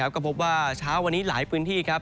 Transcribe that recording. ก็พบว่าเช้าวันนี้หลายพื้นที่ครับ